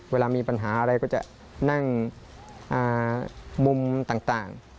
เวลามีปัญหาอะไรก็จะนั่งมุมต่าง